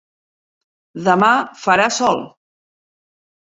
Demà farà sol